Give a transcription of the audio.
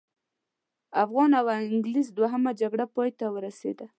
افغان او انګلیس دوهمه جګړه پای ته ورسېده.